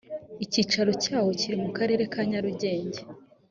icyicaro cyawo kiri mu karere ka nyarugenge.